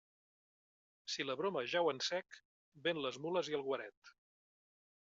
Si la broma jau en sec, ven les mules i el guaret.